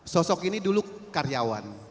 sosok ini dulu karyawan